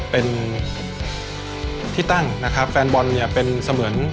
เป็นที่ตั้งแฟนบอลเป็นเสมือน